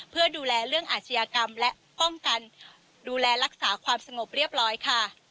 เพื่อดูแลเรื่องอาชญากรรมและป้องกันดูแลรักษาความสงบเรียบร้อยค่ะ